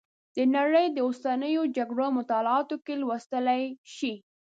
د نړۍ د اوسنیو جګړو مطالعاتو کې لوستلی شئ.